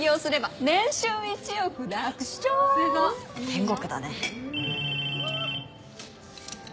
天国だね。